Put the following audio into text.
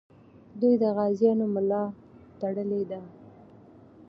دوی د غازیانو ملا تړلې ده.